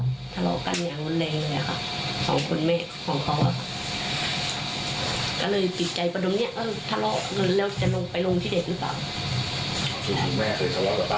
คุณนายคือทะเลาะรึเปล่า